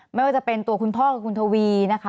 ไม่ว่าจะเป็นตัวคุณพ่อกับคุณทวีนะคะ